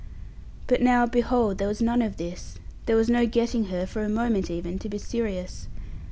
But, now, behold! there was none of this! There was no getting her, for a moment, even to be serious.